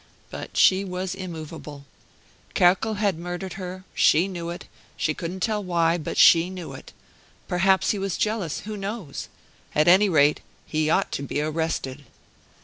But she was immovable. Kerkel had murdered her; she knew it; she couldn't tell why, but she knew it. Perhaps he was jealous, who knows? At any rate, he ought to be arrested.